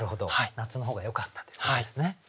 夏の方がよかったということですね。